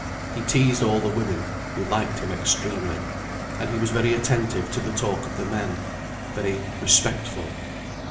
He teased all the women, who liked him extremely, and he was very attentive to the talk of the men, very respectful.